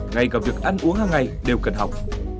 ngay cả việc ăn uống hàng ngày đều cần học